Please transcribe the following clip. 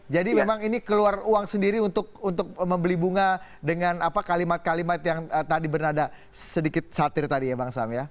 jadi memang ini keluar uang sendiri untuk membeli bunga dengan kalimat kalimat yang tadi bernada sedikit satir tadi ya bang sam ya